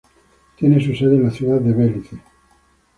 Tiene su sede en la Ciudad de Belice.